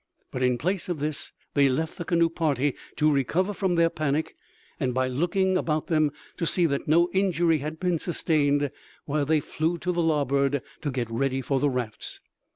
But, in place of this, they left the canoe party to recover from their panic, and, by looking about them, to see that no injury had been sustained, while they flew to the larboard to get ready for the rafts.